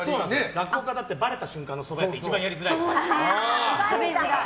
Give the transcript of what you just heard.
落語家だってばれた瞬間のそば屋って食べづらい！